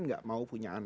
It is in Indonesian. nggak mau punya anak